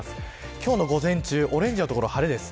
今日の午前中オレンジの所、晴れです。